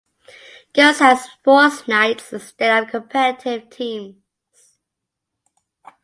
Girls had "Sports Nights" instead of competitive teams.